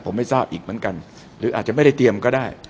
ผมไม่ทราบอีกเหมือนกันหรืออาจจะไม่ได้เตรียมก็ได้